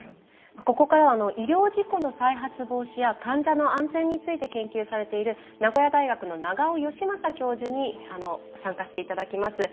ここからは医療事故の再発防止や患者の安全について研究されている名古屋大学の長尾能雅教授に参加して頂きます。